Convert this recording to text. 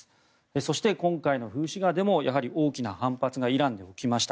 そして、今回の風刺画でもやはり大きな反発がイランで起きました。